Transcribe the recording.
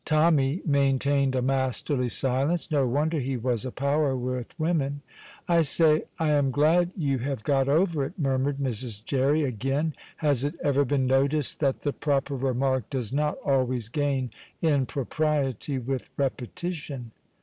Tommy maintained a masterly silence. No wonder he was a power with women. "I say I am glad you have got over it," murmured Mrs. Jerry again. Has it ever been noticed that the proper remark does not always gain in propriety with repetition?